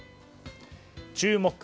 注目！